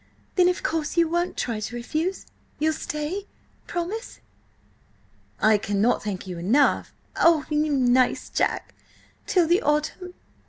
"Then, of course you won't try to refuse! You'll stay? Promise!" "I cannot thank you enough—" "Oh, you nice Jack! Till the autumn?